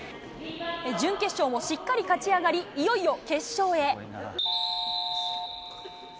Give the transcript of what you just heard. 準決勝もしっかり勝ち上がり、いよいよ決勝へ。